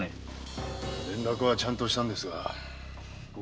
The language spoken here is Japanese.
連絡はちゃんとしたんですが。